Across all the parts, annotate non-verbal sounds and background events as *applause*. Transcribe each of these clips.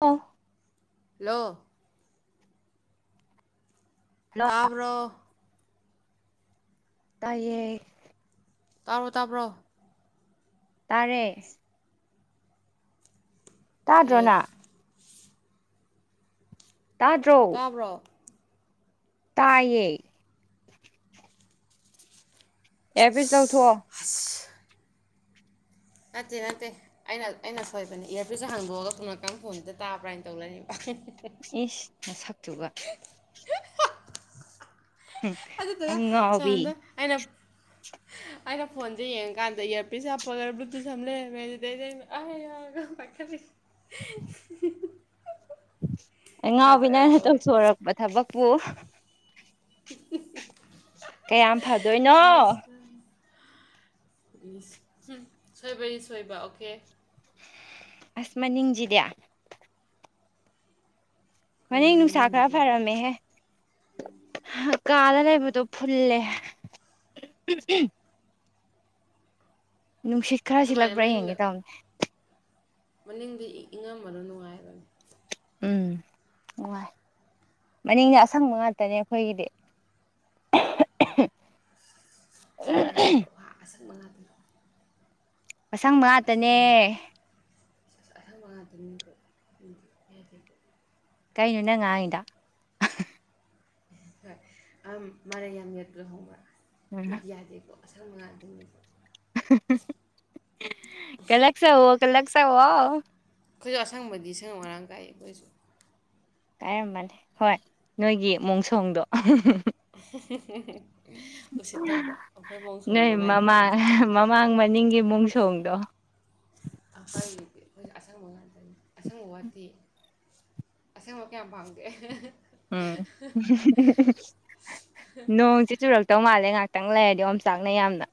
ꯑꯣ ꯂꯣ ꯍꯜꯂꯣ ꯇꯥꯕ꯭ꯔꯣ ꯇꯥꯌꯦ ꯇꯥꯔꯣ ꯇꯥꯕ꯭ꯔꯣ ꯇꯔꯦ ꯑꯦꯗ ꯇꯥꯗ꯭ꯔꯣꯅ ꯇꯥꯗ꯭ꯔꯣ ꯇꯥꯕ꯭ꯔꯣ ꯇꯥꯏꯌꯦ ꯑꯦꯕꯤꯁ ꯂꯧꯊꯣ ꯑꯁ ꯅꯠꯇꯦ ꯅꯠꯇꯦ ꯑꯩꯅ ꯑꯩꯅ ꯁꯣꯏꯕꯅꯦ ꯏꯌꯥꯔꯄꯤꯁ ꯍꯥꯡꯗꯣꯛꯑꯒ ꯁꯣꯝꯀꯟ ꯐꯣꯟꯗꯨꯗ ꯇꯥꯕ꯭ꯔꯥꯅ ꯇꯧꯔꯅꯤꯕ *inaudible* ꯏꯁ ꯃꯁꯛꯇꯨꯒ ꯑꯗꯨꯗꯨꯒ ꯑꯉꯥꯎꯕꯤ ꯁꯣꯝꯗ ꯑꯩꯅ *inaudible* ꯑꯩꯅ ꯐꯣꯟꯁꯦ ꯌꯦꯡꯉꯀꯥꯟꯗ ꯌꯥꯔꯄꯤꯁ ꯍꯥꯞꯄꯒ ꯕ꯭ꯂꯨꯇꯨꯠ ꯁꯝ ꯂꯩꯔꯝꯃꯦ ꯑꯗꯨꯗꯩꯗ ꯑꯒ ꯄꯥꯏꯈꯠꯂꯤ *unintelligible* ꯑꯩ ꯖꯥꯠ ꯖꯥꯠ ꯌꯥꯝ ꯉꯥꯎꯕꯤꯅꯅ ꯇꯧꯋꯦ ꯇꯧꯊꯣꯔꯛꯄ ꯊꯕꯛꯄꯨ ꯀꯌꯥꯝ ꯐꯗꯣꯏꯅꯣ ꯁꯣꯏꯕꯅꯤ ꯁꯣꯏꯕ ꯑꯣꯀꯦ ꯑꯁ ꯃꯅꯤꯡꯁꯤꯗꯤ ꯃꯅꯤꯡ ꯀꯩꯅꯣ ꯅꯨꯡꯁꯥ ꯈꯔ ꯃꯅꯤꯡꯁꯤꯗꯤ ꯐꯔꯝꯃꯦꯍꯦ ꯀꯥꯗ ꯂꯩꯕꯗꯣ ꯐꯨꯜꯂꯦ ꯅꯨꯡꯁꯤꯠ ꯈꯔ ꯑꯗꯨꯃꯥꯏꯅ ꯁꯤꯜꯂꯛꯄ꯭ꯔꯥ ꯃꯅꯤꯡꯗ ꯌꯦꯡꯒꯦ ꯇꯥꯅꯦ ꯃꯅꯤꯡꯗꯤ ꯏꯪꯉꯝꯃꯅ ꯅꯨꯡꯉꯥꯏꯔꯕꯅꯤ *inaudible* ꯎꯝ ꯅꯨꯉꯥꯏ ꯃꯅꯤꯡꯅ ꯑꯁꯪꯕ ꯉꯥꯛꯇꯅꯦ ꯈꯣꯏꯒꯤꯗꯤ *unintelligible* ꯑꯁꯟ ꯃꯉꯥ ꯇꯔꯨꯛ ꯋꯥ ꯑꯁꯟ ꯃꯉꯥ ꯇꯛ ꯃꯁꯪ ꯃꯥꯛꯇꯅꯦ ꯑꯊ ꯃꯥ ꯑꯗꯨ ꯀꯩꯅꯣ ꯅꯪ ꯉꯥꯡꯗ ꯍꯣꯏ ꯑ ꯃꯔꯩ ꯌꯥꯝꯃꯤ ꯑꯗꯨꯣ ꯍꯣꯡꯕ꯭ꯔ ꯎꯝ ꯏꯗꯤꯌꯥꯗꯦꯀꯣ ꯑꯁꯪ ꯉꯥꯏ ꯑꯗꯨꯝꯅꯤꯁꯦ ꯀꯂꯒꯁ ꯀꯂꯛꯁ ꯑꯩꯈꯣꯏꯁꯨ ꯑꯁꯪꯕꯗꯤ ꯁꯪꯉ ꯃꯔꯥꯡ ꯀꯥꯏ ꯑꯩꯈꯣꯏꯁꯨ ꯀꯥꯏꯔꯝꯕꯅꯤ ꯍꯣꯏ ꯅꯣꯏꯒꯤ ꯃꯣꯡꯁꯣꯡꯗꯣ *unintelligible* ꯎꯁꯤꯠꯇꯕ꯭ꯔꯣ ꯑꯩꯈꯣꯏ ꯃꯑꯣꯡ ꯅꯣꯏ ꯁꯣꯡꯗꯣ ꯀꯥꯏꯗꯤ ꯃꯃꯥꯡ ꯀꯩꯅꯣ ꯃꯃꯥꯡ ꯃꯅꯤꯡꯒꯤ ꯃꯨꯛ ꯁꯣꯡꯅꯤ ꯗ ꯍꯥꯏꯗꯤ ꯑꯩꯈꯣꯏ ꯑꯁꯪꯕ ꯉꯥꯛꯇꯅꯤ ꯑꯁꯪꯕ ꯋꯥꯇꯤ ꯑꯁꯦ ꯍ ꯀꯌꯥꯌꯥꯝ ꯐꯥꯡꯒꯦ ꯎꯝ ꯅꯣꯡꯁꯦ ꯆꯨꯔꯛꯇꯧ ꯃꯥꯜꯂꯦ ꯉꯥꯛꯇ ꯈꯤꯇꯪ ꯂꯩꯔꯗꯤ ꯌ ꯆꯥꯛꯅ ꯌꯥꯝꯅ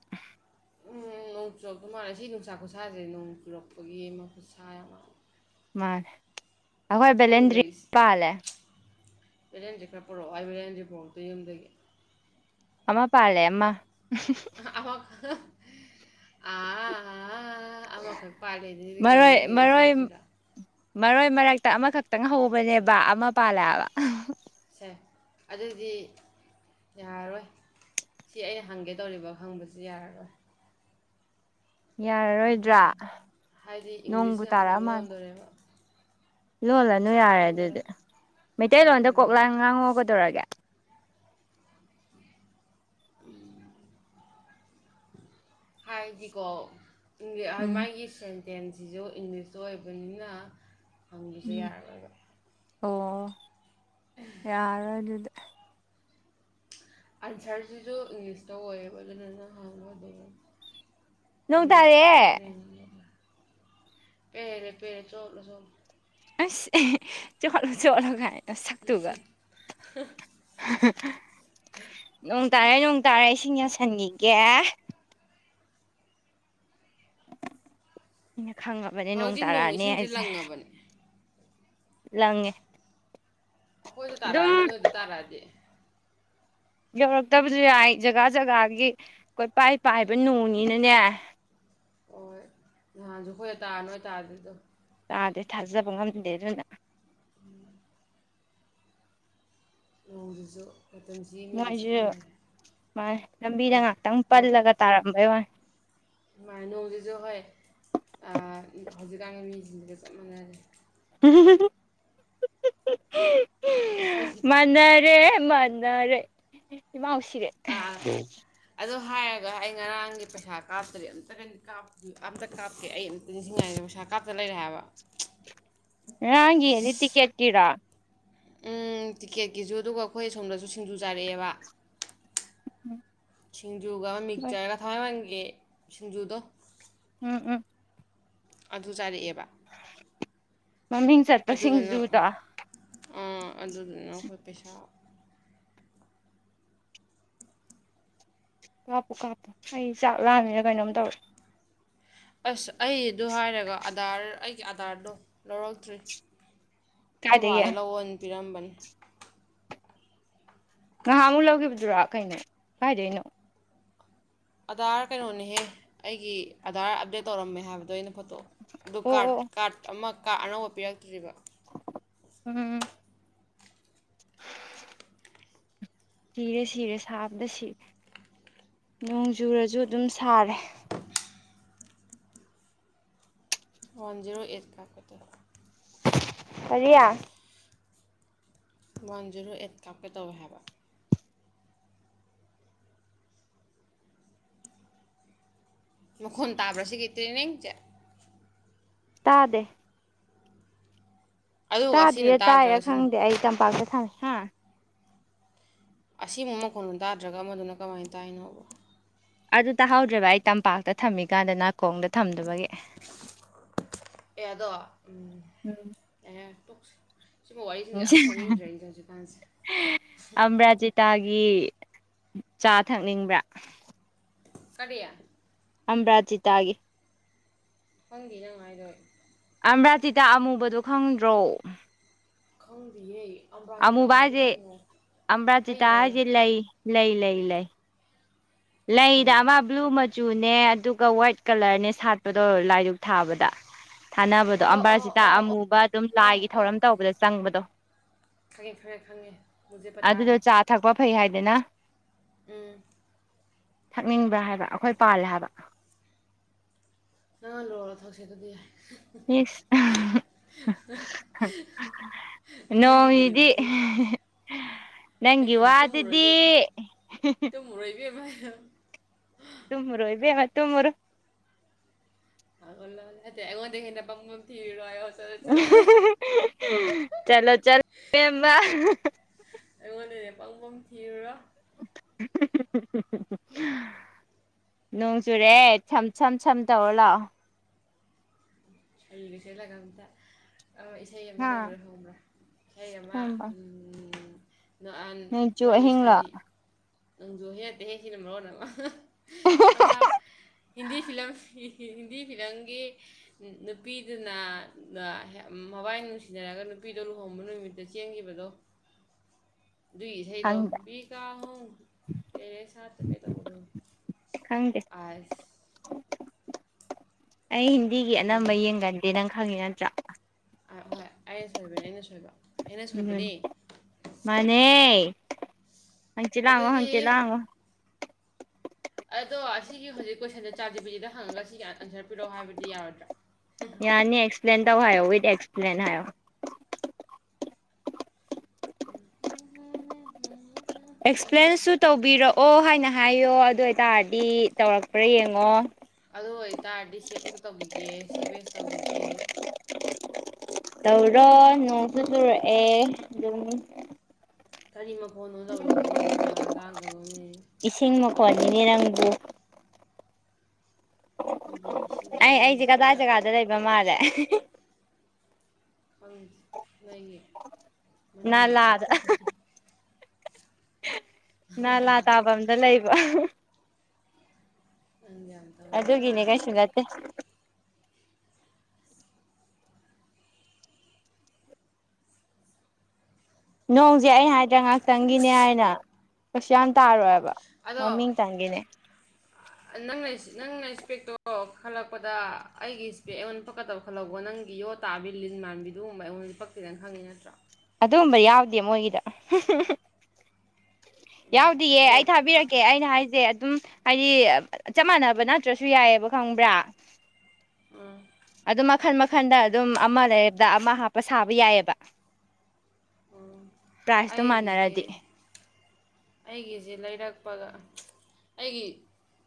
ꯎꯝ ꯅꯣꯡ ꯆꯨꯔꯄ ꯃꯥꯜꯂꯦ ꯁꯤ ꯅꯨꯡꯁꯥ ꯈꯨꯠꯁꯥꯁꯦ ꯅꯣꯡ ꯆꯨꯔꯛꯄꯒꯤ ꯑꯃ ꯈꯨꯠꯁꯥ ꯌꯥꯝ ꯃꯥꯅꯦ ꯑꯩꯈꯣꯏ ꯕꯦꯂꯦꯟ ꯗ꯭ꯔꯤꯡ ꯄꯥꯜꯂꯦ ꯕꯤꯔꯦꯟꯁ ꯈꯔ ꯄꯨꯔꯛꯑꯣ ꯑꯩ ꯕꯤꯔꯦꯟꯁ ꯄꯛꯇꯣꯏ ꯌꯨꯝꯗꯒꯤ ꯑꯃ ꯄꯥ ꯂꯩ ꯑꯃ ꯑ ꯑ ꯑꯃꯈꯛ ꯄꯥꯜꯂꯤꯦꯗꯗꯤ ꯀꯩ ꯃꯔꯣꯏ ꯅꯪꯒꯤꯨ ꯃꯔꯣꯏ ꯁꯤꯠꯇ꯭ꯔꯤꯔꯣ ꯃꯔꯣꯏ ꯃꯔꯛꯇ ꯑꯃꯈꯛꯇꯪ ꯍꯧꯕꯅꯦꯕ ꯑꯃ ꯄꯥꯜꯂꯛꯑꯕ ꯁꯦ ꯑꯗꯨꯗꯤ ꯌꯥꯔꯔꯣꯏ ꯁꯤ ꯑꯩꯅ ꯍꯪꯒꯦ ꯇꯧꯔꯤꯕ ꯈꯪꯕꯁꯨ ꯌꯥꯔꯔꯣꯏ ꯌꯥꯔꯔꯣꯏꯗ꯭ꯔꯥ ꯍꯥꯏꯗꯤ ꯅꯣꯡꯕꯨ ꯏꯪꯂꯤꯁ ꯉꯥꯛꯇꯪ ꯇꯥꯔꯛꯑ ꯃꯥꯜꯂꯦ ꯂꯣꯟꯗꯣꯔꯦꯕ ꯂꯣꯜꯂꯅꯨ ꯏꯪꯂꯤꯁ ꯉꯥꯛꯇ ꯌꯥꯔꯦ ꯑꯗꯨꯗꯤ ꯂꯣꯟꯗꯣꯔꯦꯕ ꯃꯩꯇꯩꯂꯣꯟꯗ ꯑꯗꯨꯗꯨꯅ ꯀꯣꯛꯂꯥꯡ ꯉꯥꯡꯍꯧꯒꯗꯧꯔꯒꯦ ꯍꯥꯏꯗꯤ ꯀꯣ ꯎꯝ ꯃꯥꯒꯤ ꯁꯦꯟꯇꯦꯟꯁꯁꯤꯁꯨ ꯏꯪꯂꯤꯁꯇ ꯑꯣꯏꯕꯅꯤꯅ ꯐꯝꯕꯤꯁꯦ ꯎꯝ ꯌꯥꯔꯒꯕ ꯑꯣ ꯌꯥꯔ ꯑꯗꯨꯗꯤ ꯑꯟꯁꯔꯁꯤꯁꯨ ꯏꯪꯂꯤꯁꯇ ꯑꯣꯏꯌꯦꯕ ꯑꯗꯨꯅꯅꯪ ꯍꯪꯉ ꯑꯗꯨꯅ ꯅꯣꯡ ꯏꯪꯂꯤꯁ ꯇꯥꯔꯛꯑꯦ ꯋꯥꯔꯤꯔꯦ ꯄꯦꯔꯦ ꯄꯦꯔꯦ ꯆꯣꯂ ꯆ ꯑꯁ ꯆꯠꯂꯣ ꯆꯠꯂꯣꯒꯥꯏ ꯁꯛꯇꯨꯒ ꯅꯣꯡ ꯇꯥꯔꯦꯣꯡ ꯇꯔꯥ ꯏꯁꯤꯡ ꯌꯥꯎꯁꯟꯉꯒꯦ ꯑꯩꯅ ꯈꯪꯉꯕꯅꯦ ꯅꯣꯡ ꯍꯧꯖꯤꯛꯇꯤ ꯇꯥꯔꯛꯑꯅꯤ ꯏꯁꯤꯡꯁꯦ ꯑꯩꯁꯦ ꯂꯪꯉꯕꯅꯦ ꯂꯪꯉꯦ ꯑꯩꯈꯣꯏꯗ ꯇꯥꯔꯛꯑꯅꯤ ꯑꯗꯨꯝ ꯅꯣꯏꯗ ꯇꯥꯔꯛꯑꯗꯤ ꯌꯧꯔꯛꯇꯕꯁꯨ ꯌꯥꯏ ꯖꯒꯥ ꯖꯒꯥꯒꯤ ꯀꯣꯏꯄꯥꯏ ꯄꯥꯏꯕ ꯅꯣꯡꯉꯤꯅꯅꯦ ꯍꯣꯏ ꯅꯍꯥꯟꯁꯨ ꯍꯈꯣꯏ ꯇꯥ ꯅꯣꯏ ꯇꯥꯗꯗꯣ ꯑꯥꯗꯗꯤ ꯊꯥꯖꯕ ꯉꯝꯗꯦ ꯑꯗꯨꯅ ꯅꯣꯡꯖꯨ ꯃꯣꯏꯁꯨ ꯃꯥ ꯂꯝꯕꯤꯗ ꯍꯣꯏ ꯉꯥꯛꯇꯪ ꯅꯣꯡ ꯄꯜꯂꯒ ꯇꯥꯔꯝꯕꯩ ꯋꯥꯏ ꯅꯣꯡꯁꯤꯁꯨ ꯍꯧꯖꯤꯛꯥꯟꯒ ꯃꯤꯁꯤꯡꯗꯨꯒ ꯆꯞ ꯃꯥꯟꯅꯔꯦ ꯃꯅꯔꯦ ꯃꯗꯔꯦ ꯏꯃ ꯍꯁꯤꯔꯦ ꯑꯥ ꯑꯗꯣ ꯍꯥꯏꯔꯒ ꯑꯩ ꯉꯔꯥꯡꯒꯤ ꯄꯩꯁꯥ ꯀꯥꯞꯇ꯭ꯔꯗꯤ ꯑꯇꯥ ꯑ ꯀꯥꯞꯀꯦ ꯑꯩ ꯑ ꯅꯤꯡꯁꯤꯡꯉꯥꯏꯦ ꯃꯁꯥ ꯊꯛꯀꯥ ꯆ ꯂꯩꯔ ꯍꯥꯏꯕ ꯉꯅꯤꯠꯇꯤ ꯀꯦꯀꯔꯥ ꯎꯝ ꯇꯤꯛꯀꯦꯠꯀꯤꯁꯨ ꯑꯗꯨꯒ ꯑꯩꯈꯣꯏ ꯑꯁꯣꯝꯗꯁꯨ ꯁꯤꯡꯖꯨ ꯆꯥꯔꯛꯑꯦꯕ ꯁꯤꯡꯖꯨꯒ ꯎꯝ ꯃꯤꯛꯆꯔꯒ ꯊꯋꯥꯏꯃꯟꯒꯦ ꯁꯤꯡꯖꯨꯗꯣ ꯎꯝ ꯎꯝ ꯑꯗꯨ ꯆꯥꯔꯛꯑꯦꯕ ꯃꯃꯤꯡ ꯆꯠꯄ ꯑꯗꯨꯗꯨꯅ ꯁꯤꯡꯖꯨꯗ ꯑꯗꯨꯗꯨꯅ ꯑꯩꯈꯣꯏ ꯄꯩꯁꯥ ꯀꯥꯞꯄꯨ ꯀꯥꯞꯄꯨ ꯑꯩ ꯆꯥꯛ ꯂꯥꯃꯤꯅ ꯀꯩꯅꯣꯝ ꯇꯧꯔꯦ ꯑꯁ ꯑꯩꯗꯨ ꯍꯥꯏꯔꯒ ꯑꯗꯥꯔ ꯑꯩꯒꯤ ꯑꯗꯥꯔꯗꯣ ꯂꯧꯔꯛꯇ꯭ꯔꯤ ꯑꯩꯈꯣꯏ ꯀꯥꯏꯗꯒꯤ ꯕꯥꯗ ꯂꯑꯣꯟ ꯄꯤꯔꯝꯕꯅꯤ ꯉꯍꯥꯛꯃꯨꯛ ꯂꯧꯈꯤꯕꯗꯨꯔꯥ ꯀꯩꯅꯣ ꯀꯥꯏꯗꯩꯅꯣ ꯑꯙꯥꯔ ꯀꯩꯅꯣꯅꯤꯍꯦ ꯑꯩꯒꯤ ꯑꯙꯥꯔ ꯑꯞꯗꯦꯠ ꯇꯧꯔꯝꯃꯦ ꯍꯥꯏꯕꯗꯣ ꯑꯩꯅ ꯐꯣꯇꯣ ꯑꯗꯨ ꯑꯣ ꯀꯥꯔꯠ ꯑꯣ ꯑꯣ ꯀꯥꯔꯠ ꯑꯃ ꯀꯥꯔ ꯑꯅꯧꯕ ꯄꯤꯔꯛꯇ꯭ꯔꯤꯕ ꯎꯝ ꯁꯤꯔꯦ ꯁꯤꯔꯦ ꯁꯥꯕꯗ ꯁꯤꯔꯦ ꯅꯣꯡ ꯆꯨꯔꯁꯨ ꯑꯗꯨꯝ ꯁꯥꯔꯦ ꯋꯥꯟ ꯖꯤꯔꯣ ꯑꯩꯠ ꯀꯥꯞꯇꯥ ꯀꯔꯤꯌꯥ ꯋꯥꯟ ꯖꯦꯔꯣ ꯑꯩꯠ ꯀꯥꯞꯀꯦ ꯇꯧꯋꯦ ꯍꯥꯏꯕ ꯃꯈꯣꯟ ꯇꯥꯕ꯭ꯔꯥ ꯁꯤꯒꯤ ꯇ꯭ꯔꯦꯅꯤꯡꯁꯦ ꯇꯥꯗꯦ ꯑꯗꯨꯒ ꯑꯁꯤꯅ ꯇꯥꯗ꯭ꯔꯤꯔ ꯇꯥꯏꯌꯦ ꯇꯥꯗ꯭ꯔꯒ ꯁꯤꯅ ꯈꯪꯗꯦ ꯑꯩ ꯇꯝꯄꯥꯛꯇ ꯊꯝꯃꯦ ꯍꯥ ꯑꯁꯤꯃꯨꯛ ꯃꯈꯣꯟꯂꯣ ꯇꯥꯗ꯭ꯔꯒ ꯑꯃꯗꯨꯅ ꯀꯃꯥꯏꯅ ꯇꯥꯏꯅꯣꯕ ꯑꯗꯨ ꯇꯥꯍꯧꯗ꯭ꯔꯦꯕ ꯑꯩ ꯇꯝꯄꯥꯛꯇ ꯊꯝꯃꯤꯀꯥꯟꯗ ꯅꯥꯀꯣꯡꯗ ꯊꯝꯗꯕꯒꯤ ꯑꯦꯗꯣ ꯎꯝ ꯁꯤꯒꯨꯝꯕ ꯋꯥꯔꯤꯁꯤꯡꯁꯦ ꯌꯥꯝ ꯍꯥꯏꯅꯤꯡꯗ꯭ꯔꯦ ꯑꯩꯁꯦ ꯍꯧꯖꯤꯛꯀꯥꯟꯁꯦ ꯒꯤ ꯆꯥ ꯊꯛꯅꯤꯡꯕ꯭ꯔꯥ ꯀꯔꯌꯥ ꯑꯝꯕ꯭ꯔꯥꯖꯤꯇꯥꯒꯤꯦ ꯈꯪꯗꯤ ꯅꯪ ꯍꯥꯏꯔꯤꯗꯣ ꯑꯩ ꯑ꯭ꯔꯥꯇꯤ *unintelligible* ꯇꯥ ꯑꯃꯨꯕꯗꯨꯣ ꯈꯪꯗ꯭ꯔꯣ ꯈꯪꯗꯤꯌꯦ ꯑꯝꯕ꯭ꯔꯥꯖꯤꯇꯥ ꯑꯃꯨꯕꯥ ꯍꯥꯏꯗꯤ ꯍꯥꯏꯁꯦ ꯀꯩꯅꯣ ꯑ꯭ꯝꯕꯥꯖꯤꯇꯥ ꯍꯩꯔꯣ ꯍꯥꯏꯁꯦ ꯂꯩ ꯂꯩ ꯂꯩ ꯂꯩ ꯂꯩ ꯂꯩꯗꯕ ꯑꯃ ꯕ꯭ꯂꯨ ꯃꯆꯨ ꯃꯆꯨꯅꯦ ꯑꯗꯨꯒ ꯋꯥꯏꯠ ꯀꯂꯔꯅꯦ ꯁꯥꯠꯄꯗꯣ ꯂꯥꯏꯔꯨꯛ ꯊꯥꯕꯗ ꯊꯥꯅꯕꯗꯣ ꯑꯣ ꯑꯣ ꯑꯕꯥꯔꯖꯤꯇꯥ ꯑꯣ ꯑꯣ ꯑꯃꯨꯕ ꯑꯗꯨꯝ ꯑꯣ ꯂꯥꯏꯒꯤ ꯑꯣ ꯊꯧꯔꯝ ꯇꯧꯕꯗ ꯆꯪꯕꯗꯣ ꯈꯪ ꯃꯦ *unintelligible* ꯄ ꯅ *unintelligible* ꯎꯝ ꯊꯛꯅꯤꯡꯕ ꯍꯥꯏꯕ ꯑꯩꯈꯣꯏ ꯄꯥꯜꯂꯦ ꯍꯥꯏꯕ ꯅꯪꯅ ꯂꯣꯜꯂꯒ ꯊꯧꯁꯦ ꯑꯗꯨꯗꯤ ꯌꯥꯏ ꯁ ꯅꯣ ꯏꯗꯤ ꯅꯪꯒꯤꯗꯨꯗꯤꯁꯦ ꯅꯪ ꯏ ꯅꯪꯒꯤꯗꯤ ꯋꯥ ꯇꯨꯝꯃꯨꯔꯣ ꯑꯗꯨꯗꯤ ꯏꯕꯦꯝꯃ ꯍ ꯇꯨꯃꯔꯣ ꯏꯕꯦ ꯃꯥ ꯇꯨꯝꯃꯔ ꯍꯥꯏꯒꯜꯉꯣꯟꯅ ꯊ ꯆꯂꯣ ꯆ *unintelligible* ꯑꯩꯉꯣꯟꯗꯩ ꯍꯦꯟꯅ ꯄꯪꯕ ꯑꯃ ꯊꯤꯔꯨꯔꯣ *inaudible* ꯅꯣꯡ ꯆꯨꯔꯦ ꯁꯝ ꯁꯝ ꯁꯝ ꯇꯧꯔ ꯂꯥꯛꯑꯣ ꯑꯁꯦꯂ ꯀꯝꯗ ꯑ ꯏꯁꯩ ꯑꯃ ꯍꯥ ꯂꯩꯕꯗꯣ ꯈꯪꯕ꯭ꯔꯥ ꯏꯁꯩ ꯑꯃ ꯊꯝꯕ ꯅꯍꯥꯟ ꯅꯣꯏꯆꯨ ꯃꯣꯏꯒꯤ ꯑꯍꯤꯡꯂꯣ ꯁꯥꯗꯤ ꯅꯪꯁꯨ ꯍꯦꯛꯇ ꯍꯦꯛ ꯁꯤꯅ ꯃꯔꯣ ꯅꯪ ꯑꯃ ꯍꯤꯟꯗꯤ ꯐꯤꯂꯝ ꯍꯤꯟꯗꯤ ꯐꯤꯂꯝꯒꯤ ꯅꯨꯄꯤꯗꯨꯅ ꯃꯕꯥꯏ ꯅꯨꯡꯁꯤꯅꯔꯒ ꯅꯨꯄꯤꯗꯣ ꯂꯨꯍꯣꯡꯕ ꯅꯨꯃꯤꯠꯇ ꯆꯦꯟꯈꯤꯕꯗꯣ ꯗꯣ *inaudible* ꯗꯨꯒꯤ ꯏꯁꯩꯗꯣ ꯈꯪꯗ ꯚꯤꯒꯥ ꯍꯣ ꯇꯦꯔꯦ ꯁꯥꯠꯇ ꯃꯦ ꯇꯧꯕꯗ ꯈꯪꯗꯦ ꯑꯩ ꯍꯤꯟꯗꯤꯒꯤ ꯎꯝ ꯑꯅꯝꯕ ꯌꯦꯡꯒꯗꯦ ꯅꯪ ꯈꯪꯉꯤ ꯅꯠꯇ꯭ꯔꯥ ꯑ ꯍꯣꯏ ꯑꯩꯅ ꯁꯣꯏꯕꯅꯦ ꯑꯩꯅ ꯁꯣꯏꯕ ꯑꯩꯅ ꯎ ꯁꯣꯏꯕꯅꯦ ꯃꯅꯦ ꯍꯪꯆꯤ ꯂꯉꯣ ꯍꯪꯆꯤ ꯑꯗꯨꯗꯤ ꯂꯥꯡꯉꯣ ꯑꯗꯣ ꯑꯁꯤꯒꯤ ꯍꯧꯖꯤꯛ ꯀꯣꯏꯁꯟꯦ ꯆꯥꯟꯦꯄꯨꯖꯤꯗ ꯍꯪꯉꯒ ꯁꯤ ꯀꯌꯥꯟ ꯑꯟꯁꯔ ꯄꯤꯔꯛꯑꯣ ꯍꯥꯏꯕꯗꯤ ꯌꯥꯔꯣꯏꯗ꯭ꯔꯥ ꯍꯥꯏꯣ ꯠ ꯑꯦꯁꯄ꯭ꯂ ꯍꯥꯏ *unintelligible* ꯑꯦꯛꯁꯄ꯭ꯂꯦꯟꯁꯨ ꯇꯧꯕꯤꯔꯛꯑꯣ ꯍꯥꯏꯅ ꯍꯥꯏꯌꯣ ꯑꯗꯨ ꯑꯣꯏꯇꯥꯔꯗꯤ ꯇꯧꯔꯛꯄ꯭ꯔꯥ ꯌꯦꯡꯉꯣ ꯑꯗꯨ ꯑꯣꯏ ꯇꯔꯗꯤ ꯁꯦꯇ ꯇꯧꯈꯤꯒꯦ ꯁꯦꯚꯁ ꯇꯧꯈꯤꯒꯦ ꯇꯧꯔꯣ ꯅꯣꯡꯁꯨ ꯆꯨꯔꯛꯑꯦ ꯑꯗꯨꯝ ꯀꯔꯤ ꯃꯈꯣꯟꯅꯣ ꯇꯧꯔꯤꯗꯕꯨ ꯕꯦꯝꯃꯥ ꯂꯥꯡꯒꯅꯣꯅꯦ ꯍꯋꯥꯅꯤꯅꯦꯔꯪꯕꯨ ꯑꯩꯒꯤ ꯏꯁꯤꯡꯗ ꯑꯩ ꯅꯣꯡ ꯑꯩꯁꯦ ꯀꯗꯥꯏ ꯏꯁꯤꯡꯗ ꯖꯒꯥꯗ ꯂꯩꯕ ꯃꯥꯜꯂꯦ ꯑꯪ ꯂꯩꯌꯦ ꯃꯗ ꯅꯥꯂꯥꯗ ꯅꯂꯥ ꯇꯥꯐꯝꯗ ꯂꯩꯕ ꯑ ꯑꯗꯨꯒꯤꯅꯦ ꯀꯩꯁꯨꯒꯠꯇꯦ ꯅꯣꯡꯁꯦ ꯑꯩ ꯍꯥꯏꯗ꯭ꯔꯥ ꯉꯍꯥꯛꯇꯪꯒꯤꯅꯦ ꯍꯥꯏꯅ ꯀꯩꯁꯨ ꯌꯥꯝ ꯇꯥꯔꯣꯏꯑꯕ ꯃꯃꯤ ꯇꯒꯅꯦ ꯅ ꯅꯪꯅ ꯏꯁꯄꯦꯛꯇꯣ ꯈꯜꯂꯛꯄꯗ ꯑꯩꯒꯤ ꯏꯁꯄꯦꯛ ꯑꯩꯉꯣꯟꯗ ꯐꯛꯀꯗꯕ ꯈꯜꯍꯧꯕꯣ ꯅꯪ ꯒꯤꯌꯣ ꯇꯥꯕꯤ ꯂꯤꯟ ꯃꯥꯟꯕꯤꯗꯨꯨꯝꯕ ꯑꯩꯉꯣꯟꯗ ꯄꯛꯤꯗꯅ ꯈꯪꯉꯤ ꯅꯠꯇ꯭ꯔꯣ ꯑꯗꯨꯕ ꯌꯥꯎꯗꯦ ꯃꯣꯏꯒꯤꯗ ꯌꯥꯎꯗꯤꯌꯦ ꯑꯗꯣ ꯑꯩ ꯄꯛ ꯊꯥꯕꯤꯔꯛꯀꯦ ꯑꯩꯅ ꯍꯥꯏꯁꯦ ꯑꯗꯨꯝ ꯍꯥꯏꯗꯤ ꯆꯞ ꯃꯥꯟꯅꯕ ꯅꯠꯇ꯭ꯔꯁꯨ ꯌꯥꯏꯑꯕ ꯈꯪꯕ꯭ꯔꯥ ꯎꯝ ꯑꯗꯨ ꯃꯈꯟ ꯃꯈꯟꯗ ꯑꯗꯨꯝ ꯑꯃ ꯂꯩꯔꯔꯕꯗ ꯑꯃ ꯍꯥꯞꯄ ꯁꯥꯕ ꯌꯥꯏꯑꯕ ꯎꯝ ꯄ꯭ꯔꯥꯏꯖꯇꯣ ꯃꯥꯟꯅꯔꯗꯤ ꯑꯩꯒꯤꯁꯤꯦ ꯂꯩꯔꯛꯄꯒ ꯑꯩꯒꯤ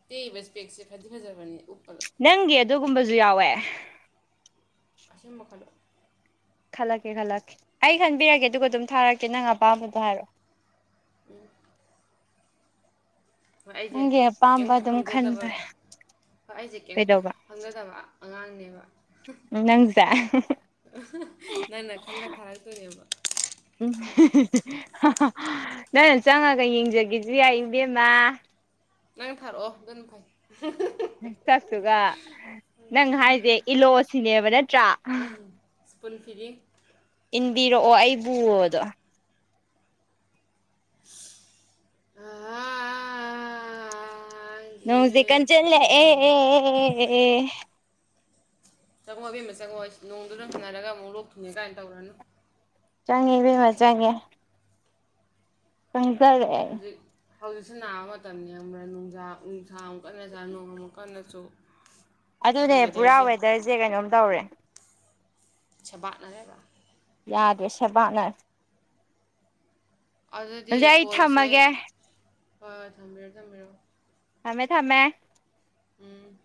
ꯇꯦꯛꯏꯕ ꯏꯁꯄꯦꯛꯁꯦ ꯐꯗꯤ ꯐꯖꯕꯅꯦ ꯅꯪꯒꯤ ꯑꯗꯨꯒꯨꯝꯕꯁꯨ ꯌꯥꯎꯋꯦ ꯑꯁꯤꯁꯨꯝ ꯃꯈ ꯈꯜꯂ ꯈꯜꯂꯛꯀꯦ ꯈꯜꯂꯛꯀꯦ ꯑꯩ ꯈꯟꯕꯤꯔꯒꯦ ꯑꯗꯨꯒ ꯑꯗꯨꯝ ꯊꯥꯔꯛꯀꯦ ꯅꯪ ꯑꯄꯥꯝꯕꯗꯣ ꯍꯥꯏꯔꯛꯑꯣ ꯎꯝ ꯍꯣꯏ ꯑꯩꯁꯦ ꯅꯪꯒꯤ ꯀꯔꯤꯝ ꯑꯄꯥꯝꯕ ꯑꯗꯨꯝ ꯈꯪꯖꯗꯕ ꯈꯟꯕ ꯍꯣꯏ ꯑꯩꯁꯦ ꯀꯔꯤꯝ ꯀꯩꯗꯧꯕ ꯈꯪꯖꯗꯕ ꯑꯉꯥꯡꯅꯦꯕ ꯅꯪꯁꯦ ꯅꯪꯅ ꯈꯜꯂ ꯊꯥꯔꯛꯇꯣꯏ ꯎꯝ ꯅꯪꯅ ꯆꯪꯉꯒ ꯌꯦꯡꯖꯒꯦꯁꯤ ꯌꯥꯏ ꯏꯕꯦꯝꯃ ꯅꯪꯊꯔꯣꯑꯣ ꯑꯗꯨꯅꯐꯩ ꯆꯠꯠꯇꯨꯒ ꯅꯪ ꯍꯥꯏꯁꯦ ꯏꯂꯣꯁꯤꯅꯦꯕ ꯅꯠꯇ꯭ꯔꯥ ꯁꯤꯄꯟ ꯐꯔꯤ ꯏꯟꯕꯤꯔꯛꯑꯣ ꯑꯩꯕꯨꯗꯣ ꯑ ꯅꯣꯡꯁꯤ ꯀꯟ ꯆꯜꯂ ꯑꯦ ꯆꯪꯉꯣ ꯑꯕꯦꯝ ꯑꯃ ꯆꯪꯉꯛꯑꯣ ꯑꯩꯁ ꯅꯣꯡꯗꯨꯗꯪ ꯁꯥꯟꯅꯔꯒ ꯑꯃꯨꯛ ꯂꯣꯛꯈꯤꯅꯦ ꯀꯥꯏꯅ ꯇꯧꯔꯅꯨ ꯆꯪꯉꯦꯕꯦꯝꯃ ꯆꯪꯉꯦ ꯆꯪꯁꯔꯦ ꯍꯧꯖꯤꯛꯁꯤ ꯅꯥꯕ ꯃꯇꯝꯅꯤ ꯑꯃ ꯅꯨꯡꯁꯥ ꯅꯨꯡꯁꯥ ꯑꯃꯨꯛꯀꯟꯅ ꯁꯥꯥ ꯅꯣꯡ ꯑꯃꯨꯛ ꯀꯟꯅꯁꯨ ꯑꯗꯨꯅꯦ ꯄꯨꯔꯥ ꯋꯦꯗꯔꯁꯦ ꯀꯩꯅꯣꯝ ꯇꯧꯔꯦ ꯆꯕꯥꯅꯔꯦꯕ ꯌꯥꯗ꯭ꯔꯦ ꯁꯦꯕꯥꯥꯛꯅ ꯑꯗꯨꯗꯤ ꯍꯧꯖꯤꯛ ꯑꯩ ꯀꯣꯜꯁꯦ ꯊꯝꯃꯒꯦ ꯍꯣꯏ ꯊꯝꯕꯤꯔꯣ ꯊꯝꯕꯤꯔꯣ ꯊꯝꯃꯦ ꯊꯃꯦ ꯎꯝ